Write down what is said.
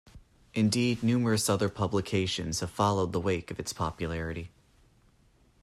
Indeed, numerous other publications have followed in the wake of its popularity.